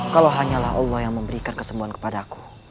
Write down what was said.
kalau hanyalah allah yang memberikan kesembuhan kepada aku